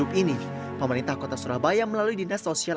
kita nggak tahu kan itu rumahnya sendiri apa bukan